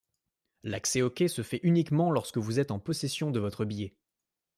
L'accès aux quais se fait uniquement lorsque vous êtes en possession de votre billet.